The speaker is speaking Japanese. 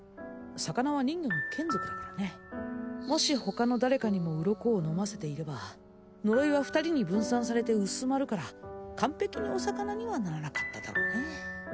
魚は人魚の眷属だからねもし他の誰かにも鱗を飲ませていれば呪いは２人に分散されて薄まるからカンペキにお魚にはならなかっただろーね